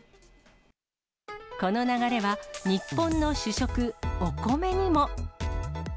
この流れは、日本の主食、お米にも。